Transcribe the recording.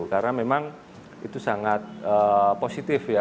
karena memang itu sangat positif ya